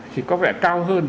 thì có vẻ cao hơn